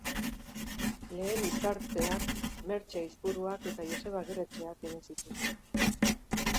Lehen hitzartzeak Mertxe Aizpuruak eta Joseba Agirretxeak egin zituzten.